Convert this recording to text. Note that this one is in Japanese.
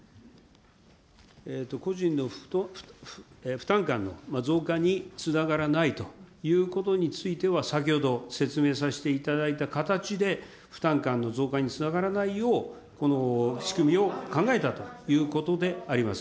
個人の負担感の増加につながらないということについては、先ほど説明させていただいた形で、負担感の増加につながらないよう、この仕組みを考えたということであります。